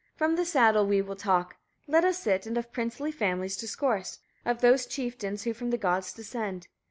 From the saddle we will talk: let us sit, and of princely families discourse, of those chieftains who from the gods descend.